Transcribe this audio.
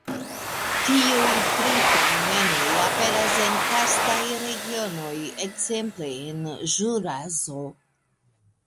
Tiuj tri fenomenoj aperas en karstaj regionoj, ekzemple en Ĵuraso.